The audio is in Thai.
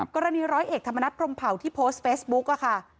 กรณีร้อยเอกธรรมนัฏพรงเผ่าที่โพสต์เฟสบุ๊คค่ะ